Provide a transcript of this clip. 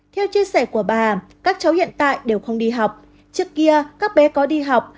theo chia sẻ của bà các cháu hiện tại đều không đi học trước kia các bé có đi học